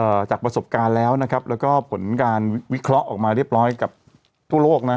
จากประสบการณ์แล้วนะครับแล้วก็ผลการวิเคราะห์ออกมาเรียบร้อยกับทั่วโลกนะ